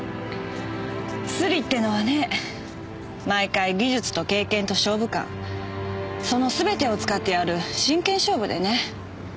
スリってのはね毎回技術と経験と勝負勘そのすべてを使ってやる真剣勝負でね。